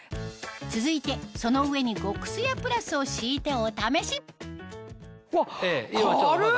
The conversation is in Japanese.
続いてその上に極すやプラスを敷いてお試しうわ。